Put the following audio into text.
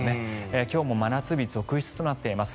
今日も真夏日続出となっています。